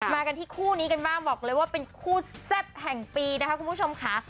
มากันที่คู่นี้กันบ้างบอกเลยว่าเป็นคู่แซ่บแห่งปีนะคะคุณผู้ชมค่ะ